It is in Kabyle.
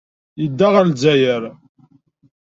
Yedda ɣer Lezzayer.